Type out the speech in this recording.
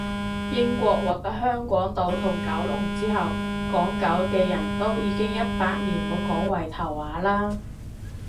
英國獲得香港島同九龍之後，港九嘅人都已經一百年冇講圍頭話喇